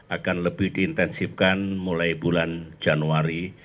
akan lebih diintensifkan mulai bulan januari